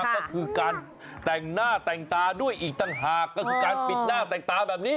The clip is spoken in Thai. ก็คือการแต่งหน้าแต่งตาด้วยอีกต่างหากก็คือการปิดหน้าแต่งตาแบบนี้